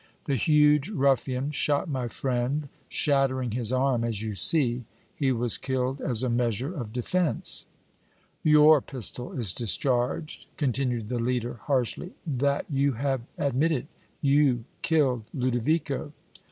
"The huge ruffian shot my friend, shattering his arm, as you see; he was killed as a measure of defence." "Your pistol is discharged," continued the leader, harshly; "that you have admitted; you killed Ludovico!"